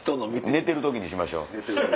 寝てる時にしましょう。